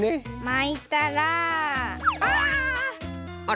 まいたらあ！